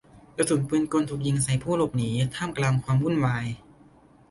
กระสุนปืนกลถูกยิงใส่ผู้หลบหนีท่ามกลางความวุ่นวาย